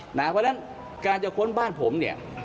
เพราะฉะนั้นการจะค้นบ้านผมเนี่ย